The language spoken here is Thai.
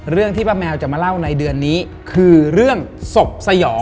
ที่ป้าแมวจะมาเล่าในเดือนนี้คือเรื่องศพสยอง